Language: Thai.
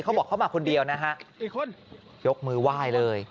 เขาบอกเขามาคนเดียวนะฮะยกมือไหว้เลย